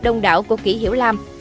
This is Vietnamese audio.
đông đảo của kỷ hiểu lam